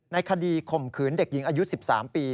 คดีข่มขืนเด็กหญิงอายุ๑๓ปี